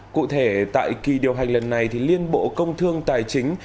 cụ thể tại kỳ điều hành lần này liên bộ công thương tài chính